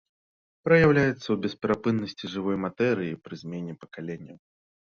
Праяўляецца ў бесперапыннасці жывой матэрыі пры змене пакаленняў.